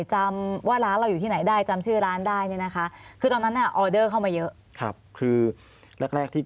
จำว่าร้านเราอยู่ที่ไหนได้จำชื่อร้านได้